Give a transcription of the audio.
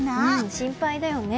心配だよね。